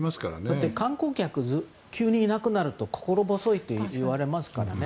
だって観光客が急にいなくなると、心細いといわれますからね。